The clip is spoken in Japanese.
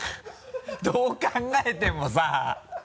どう考えてもさ。